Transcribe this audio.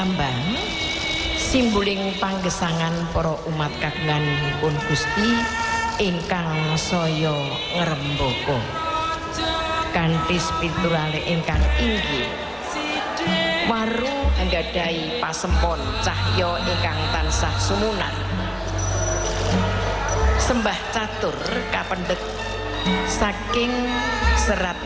manunggaling pribadi kalian kusti minongkong wujuting introspeksi diri